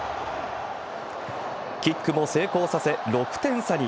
キックも成功させ、６点差に。